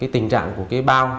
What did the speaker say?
tình trạng của cái bao